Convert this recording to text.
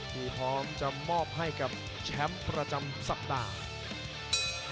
ที่พร้อมจะมอบให้กับแชมป์ประจำสัปดาห์